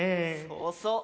そうそう。